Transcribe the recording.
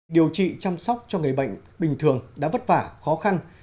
điều trị chăm sóc cho người bệnh bình thường đã vất vả khó khăn